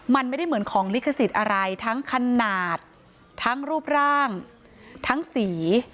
มันไม่ได้เหมือนของลิขสิทธิ์อะไรทั้งขนาดทั้งรูปร่างทั้งสี